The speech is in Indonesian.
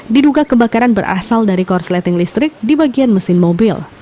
diduga kebakaran berasal dari korsleting listrik di bagian mesin mobil